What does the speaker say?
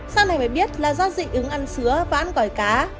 sao này mới biết là do dị ứng ăn sứa và ăn gỏi cá